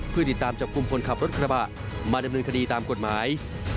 เพื่อติดตามจับกลุ่มคนขับรถกระบะมาดำเนินคดีตามกฎหมาย